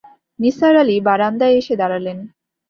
নিসার আলি বারান্দায় এসে দাঁড়ালেন।